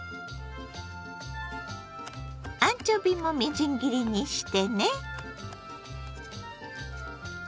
アンチョビもみじん切りにしてね。